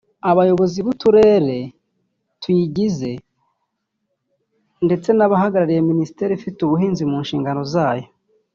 abayobozi b’uturere tuyigize ndetse n’abahagarariye Minisiteri ifite ubuhinzi mu nshingano zayo